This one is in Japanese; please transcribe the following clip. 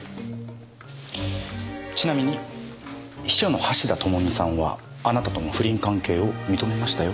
ちなみに秘書の橋田智美さんはあなたとの不倫関係を認めましたよ。